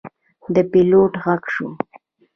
د پیلوټ غږ شو.